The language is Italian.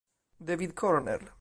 David Cornell